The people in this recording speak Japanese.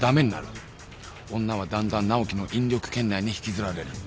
女はだんだん直季の引力圏内に引きずられる。